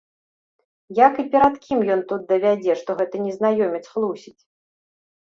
Як і перад кім ён тут давядзе, што гэты незнаёмец хлусіць?